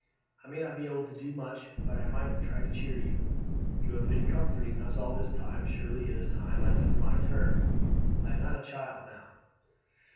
I may not be able to do much, but I might try to cheer you. You have been comforting us all this time. Surely it is time I took my turn. I am not a child now."